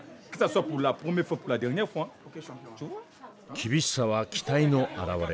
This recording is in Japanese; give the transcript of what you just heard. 厳しさは期待の表れ。